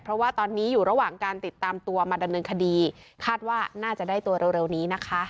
เพราะว่าตอนนี้อยู่ระหว่างการติดตามตัวมาดำเนินคดีคาดว่าน่าจะได้ตัวเร็วนี้นะคะ